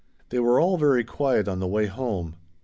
They were all very quiet on the way home.